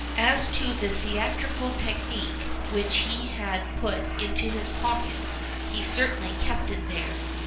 As to the theatrical teehnicpie whieh he had put into his pocket he certainly kept it there.